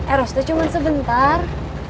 eros tuh cuman sebentar